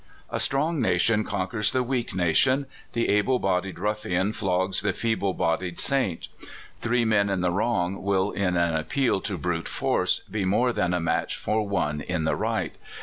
A strong nation conquers the Aveak nation. The able bodied ruihan flogs the feeble bodied saint. Three men in the wrong will, in an appeal to brute force, be more than a match for one in the right.